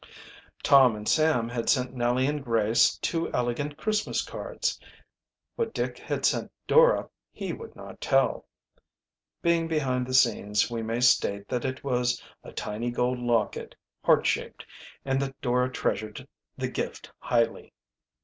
Tom and Sam had sent Nellie and Grace two elegant Christmas cards. What Dick had sent Dora he would not tell. Being behind the scenes we may state that it was a tiny gold locket, heart shaped, and that Dora treasured the gift highly.